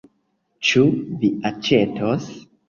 Ĉu vi aĉetos?